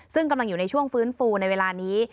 ซึ่งกำลังอยู่ในช่วงฟื้นฟูในเวลานี้